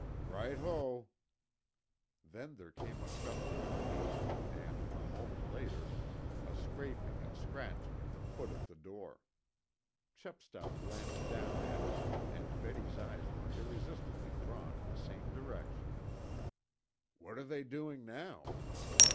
"Right ho!" Then there came a shuffling of feet, and, a moment later, a scraping and scratching at the foot of the door. Chepstow glanced down at it, and Betty's eyes were irresistibly drawn in the same direction. "What are they doing now?"